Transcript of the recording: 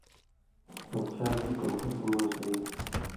آں چھال حکم (حکم وضعی)۔